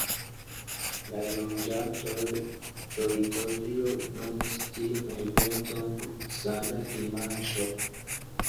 La enloĝantoj de Litovio nomis tiun eventon "Sanga Dimanĉo".